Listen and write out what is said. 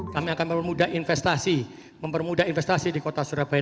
kami akan mempermudah investasi di kota surabaya